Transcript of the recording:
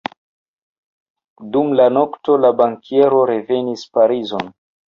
Dum la nokto la bankiero revenis Parizon.